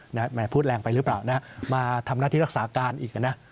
แหมพูดแรงไปหรือเปล่านะมาทำหน้าที่รักษาการอีกนะ